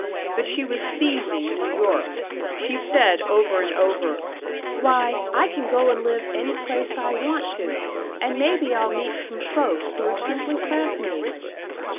But she was seizing New York. She said over and over, "Why, I can go and live any place I want to, and maybe I'll meet some folks who are simply fascinating."